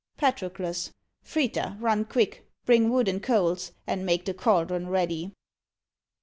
PATROCLUS. Frita, run quick; bring wood and coals, and make the caldron ready.